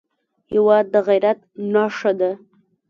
هېواد د غیرت نښه ده.